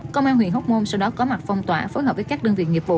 công an huyện hóc môn sau đó có mặt phong tỏa phối hợp với các đơn vị nghiệp vụ